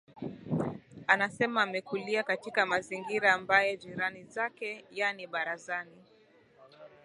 anasema amekulia katika mazingira ambayo jirani zake yaani barazani